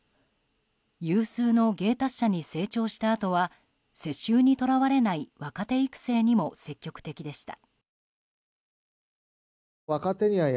有数の芸達者に成長したあとは世襲に捉われない若手育成にも積極的でした。